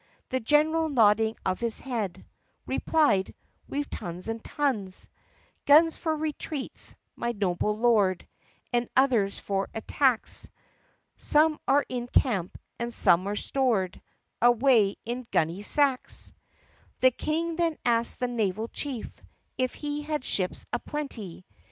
The general, nodding of his head, Replied, "We 've tons and tons — Guns for retreats, my noble Lord, And others for attacks. Some are in camp and some are stored Away in gunny sacks." The King then asked the naval chief If he had ships a plenty.